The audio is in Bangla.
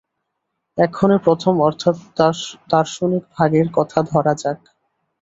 এক্ষণে প্রথম অর্থাৎ দার্শনিক ভাগের কথা ধরা যাক।